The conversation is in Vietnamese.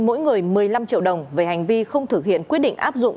mỗi người một mươi năm triệu đồng về hành vi không thực hiện quyết định áp dụng